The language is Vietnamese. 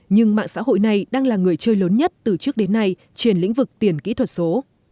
nhưng mạng xã hội này đang là người chơi lớn nhất từ trước đến nay trên lĩnh vực tiền kỹ thuật số